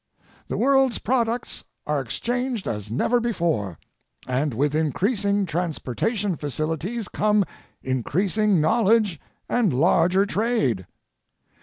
The world's products are exchanged as never before, and with increasing transportation facilities come increasing knowledge and larger trade.